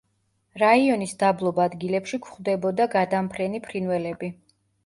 რაიონის დაბლობ ადგილებში გვხვდებოდა გადამფრენი ფრინველები.